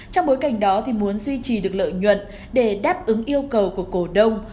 trong bối cảnh đó muốn duy trì được lợi nhuận để đáp ứng yêu cầu của cổ đông